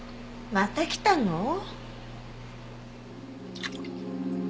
また来たの？